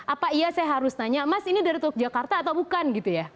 apa iya saya harus nanya mas ini dari teluk jakarta atau bukan gitu ya